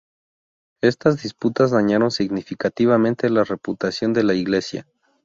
Estas disputas dañaron significativamente la reputación de la Iglesia.